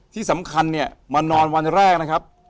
ที่สำคัญเนี่ยมานอนวันแรกนะครับ